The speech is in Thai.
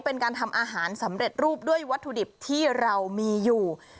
เป็นการทำอาหารสำเร็จรูปด้วยวัตถุดิบที่เรามีอยู่